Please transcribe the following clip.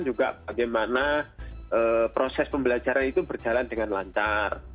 juga bagaimana proses pembelajaran itu berjalan dengan lancar